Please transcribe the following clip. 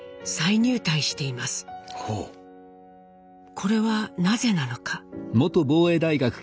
これはなぜなのか？